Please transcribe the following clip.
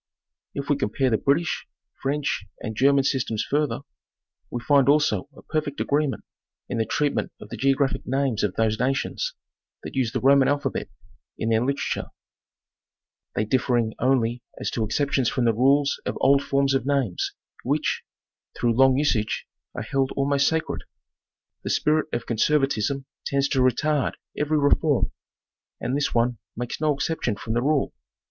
If we compare the British, French and German systems further, we find also a perfect agreement in the treatment of the geo graphic names of those nations that use the Roman alphabet in their literature, they differmg only as to exceptions from the rules of old forms of names, which, through long usage, are held almost sacred. The spirit of conservatism tends to retard every reform, and this one makes no exception from the rule.